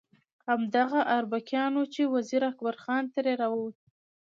همدغه اربکیان وو چې وزیر اکبر خان ترې راووت.